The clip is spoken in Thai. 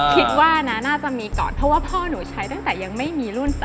คิดว่านะน่าจะมีก่อนเพราะว่าพ่อหนูใช้ตั้งแต่ยังไม่มีรุ่น๘